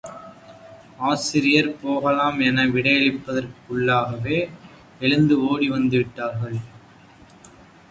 ஆசிரியர் போகலாம் என விடையளிப்பதற்குள்ளாகவே எழுந்து ஓடி வந்து விடுவார்கள்.